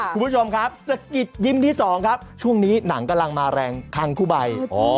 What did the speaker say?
คุณผู้ชมครับสะกิดยิ้มที่สองครับช่วงนี้หนังกำลังมาแรงคันคู่ใบ